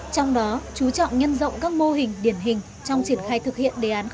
trong đó chú trọng nhân rộng các mô hình điển hình trong triển khai thực hiện đề án sáu